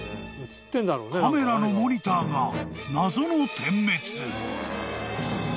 ［カメラのモニターが謎の点滅］